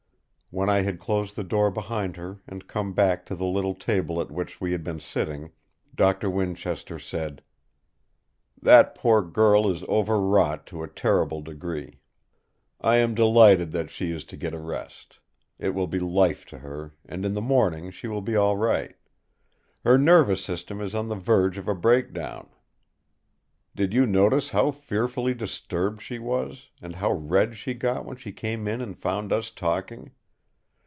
When I had closed the door behind her and come back to the little table at which we had been sitting, Doctor Winchester said: "That poor girl is overwrought to a terrible degree. I am delighted that she is to get a rest. It will be life to her; and in the morning she will be all right. Her nervous system is on the verge of a breakdown. Did you notice how fearfully disturbed she was, and how red she got when she came in and found us talking?